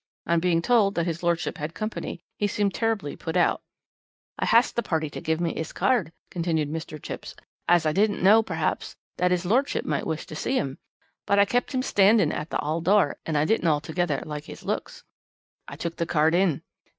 On being told that his lordship had company he seemed terribly put out. "'I hasked the party to give me 'is card,' continued Mr. Chipps, 'as I didn't know, perhaps, that 'is lordship might wish to see 'im, but I kept 'im standing at the 'all door, as I didn't altogether like his looks. I took the card in.